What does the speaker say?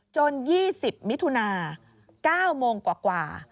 ๒๐มิถุนา๙โมงกว่า